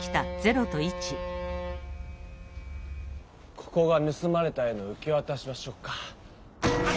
ここがぬすまれた絵の受けわたし場所か。